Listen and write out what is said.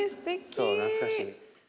そう懐かしい。